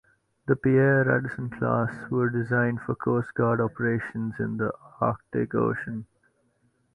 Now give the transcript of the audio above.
The "Pierre Radisson" class were designed for Coast Guard operations in the Arctic Ocean.